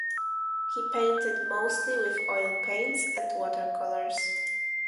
He painted mostly with oil paints and watercolours.